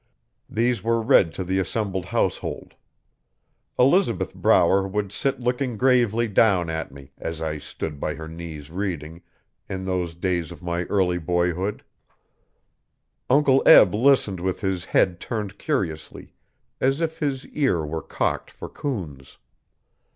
These were read to the assembled household. Elizabeth Brower would sit looking gravely down at me, as I stood by her knees reading, in those days of my early boyhood. Uncle Eb listened with his head turned curiously, as if his ear were cocked for coons.